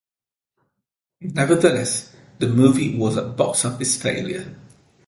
Nevertheless, the movie was a box office failure.